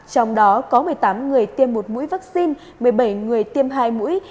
trong đó có một mươi tám người tiêm một mũi vaccine một mươi bảy người tiêm hai mũi